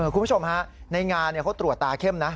คุณผู้ชมฮะในงานเขาตรวจตาเข้มนะ